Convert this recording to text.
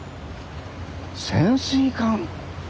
潜水艦。